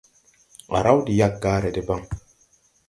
A raw de yaggare debaŋ.